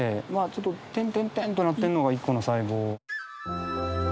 ちょっと点々々となってるのが１個の細胞。